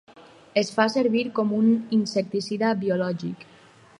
Es fa servir com un insecticida biològic.